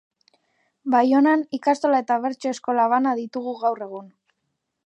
Baionan ikastola eta bertso-eskola bana ditugu gaur egun.